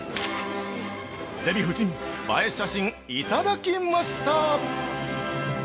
デヴィ夫人映え写真いただきました。